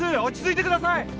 落ち着いてください！